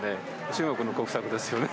中国の国策ですよね。